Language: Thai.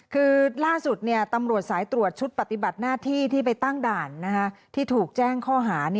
คือล่าสุดตำรวจสายตรวจชุดปฏิบัติหน้าที่ที่ไปตั้งด่านที่ถูกแจ้งข้อหา